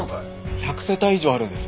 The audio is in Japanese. １００世帯以上あるんです。